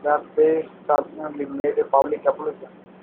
The priest subsequently made a public apology.